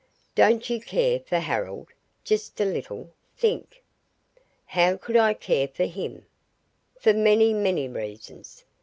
"Don't you care for Harold? Just a little? Think." "How could I care for him?" "For many, many reasons.